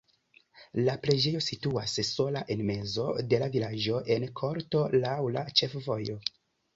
La preĝejo situas sola en mezo de la vilaĝo en korto laŭ la ĉefvojo.